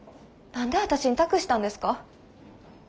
何で私に託したんですか？